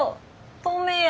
透明や！